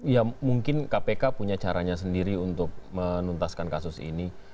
ya mungkin kpk punya caranya sendiri untuk menuntaskan kasus ini